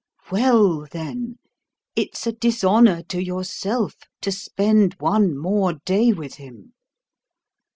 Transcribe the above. Well, then, it's a dishonour to yourself to spend one more day with him.